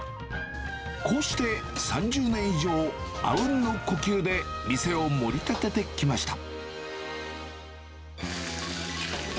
こうして３０年以上、あうんの呼吸で店を盛り立ててきました。